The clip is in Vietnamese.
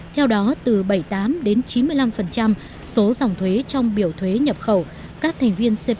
theo đó từ bảy mươi tám đến chín mươi năm số dòng thuế trong biểu thuế nhập khẩu các thành viên cpt